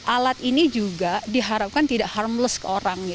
alat ini juga diharapkan tidak harmless ke orang